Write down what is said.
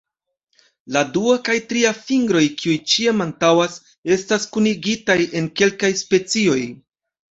La dua kaj tria fingroj, kiuj ĉiam antaŭas, estas kunigitaj en kelkaj specioj.